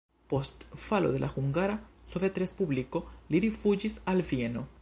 Post falo de la Hungara Sovetrespubliko li rifuĝis al Vieno.